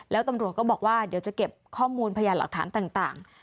แล้วตำรวจก็บอกว่าเดี๋ยวจะเก็บข้อมูลพยานหลักฐานต่าง